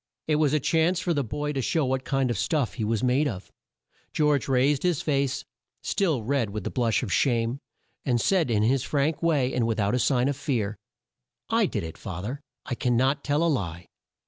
It was a chance for the boy to show what kind of stuff he was made of. George raised his face, still red with the blush of shame, and said in his frank way, and with out a sign of fear: "I did it, fa ther, I can not tell a lie."